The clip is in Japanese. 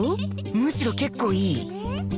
むしろ結構いい